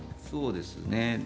そうですね。